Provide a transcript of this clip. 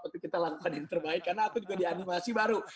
tapi kita lakukan yang terbaik karena aku juga dianimasi baru